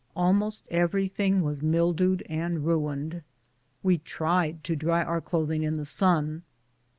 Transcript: Almost every thing was mildewed and ruined. We tried to dry our clothing in the sun.